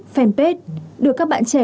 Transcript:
fanpage được các bạn trẻ